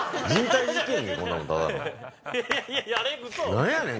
何やねん！